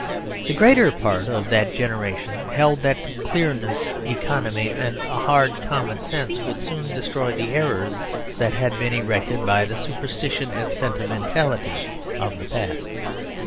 The greater part of that generation held that clearness, economy, and a hard common sense, would soon destroy the errors that had been erected by the superstitions and sentimentalities of the past.